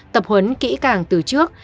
tập huấn kỹ càng từ trước